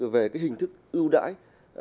về cái hình thức ưu đãi